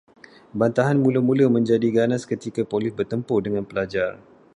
Bantahan mula-mula menjadi ganas ketika polis bertempur dengan pelajar